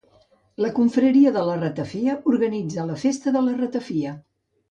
La Confraria de la Ratafia organitza la Festa de la Ratafia.